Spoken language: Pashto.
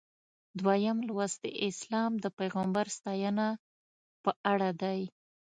دویم لوست د اسلام د پیغمبر ستاینه په اړه دی.